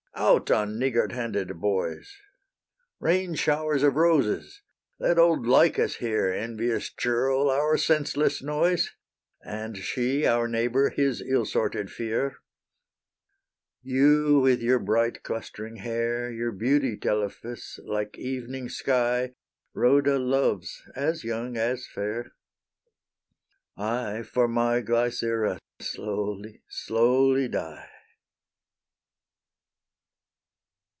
Out on niggard handed boys! Rain showers of roses; let old Lycus hear, Envious churl, our senseless noise, And she, our neighbour, his ill sorted fere. You with your bright clustering hair, Your beauty, Telephus, like evening's sky, Rhoda loves, as young, as fair; I for my Glycera slowly, slowly die.